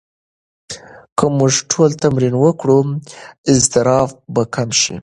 که موږ ټول تمرین وکړو، اضطراب به کم شي.